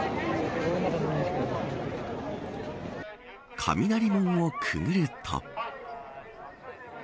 雷門をくぐると。